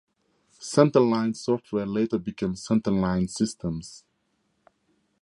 CenterLine Software later became CenterLine Systems.